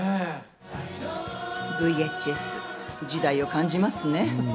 ＶＨＳ、時代を感じますね。